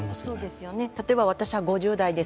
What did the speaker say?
例えば私は５０代です。